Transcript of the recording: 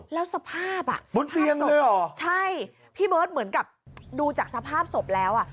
แล้วสภาพอ่ะสภาพศพใช่พี่เบิร์ตเหมือนกับดูจากสภาพศพแล้ว